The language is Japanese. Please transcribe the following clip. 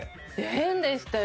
変でしたよ！